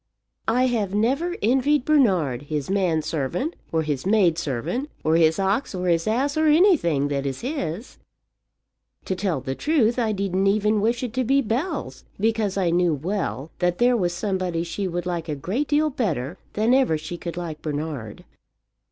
I have never envied Bernard his man servant, or his maid servant, or his ox, or his ass, or anything that is his. To tell the truth I didn't even wish it to be Bell's, because I knew well that there was somebody she would like a great deal better than ever she could like Bernard."